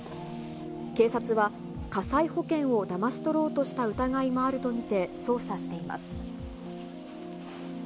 警察は、火災保険をだまし取ろうとした疑いもあると見て捜査しています。